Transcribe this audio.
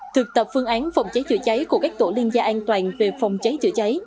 thực tập phương án phòng cháy chữa cháy của các tổ liên gia an toàn về phòng cháy chữa cháy